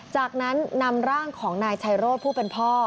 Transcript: จากนั้นนำร่างของนายชัยโรธผู้เป็นพ่อ